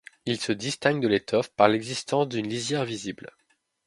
Il se distingue de l'étoffe par l'existence d'une lisière visible.